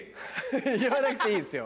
言わなくていいですよ。